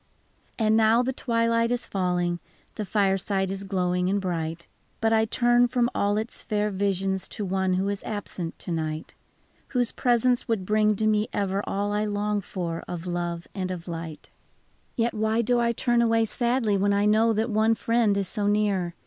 And now the twilight is falling. The fireside is glowing and bright. But I turn from all its fair visions To one who is absent to night, — Whose presence would bring to me ever All I long for of love and of light. 99 TIRED. Yet why do I turn away sadly, When I know that one Friend is so near?